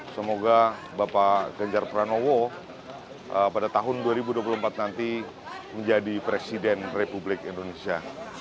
semoga bapak ganjar pranowo pada tahun dua ribu dua puluh empat nanti menjadi presiden republik indonesia